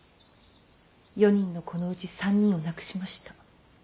４人の子のうち３人を亡くしました。